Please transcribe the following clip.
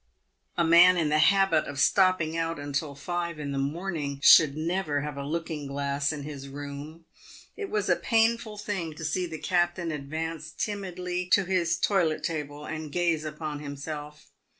A man in the habit of stopping out until five in the morning should never have a looking glass in his room. It was a painful thing to see the captain advance timidly to his toiletr table and gaze upon himself.